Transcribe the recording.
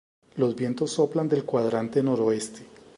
Los vientos soplan del cuadrante noroeste.